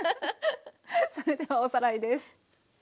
それではおさらいです。